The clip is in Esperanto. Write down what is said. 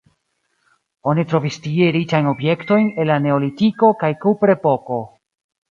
Oni trovis tie riĉajn objektojn el la neolitiko kaj kuprepoko.